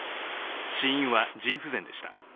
死因は腎不全でした。